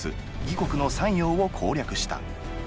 国の山陽を攻略した。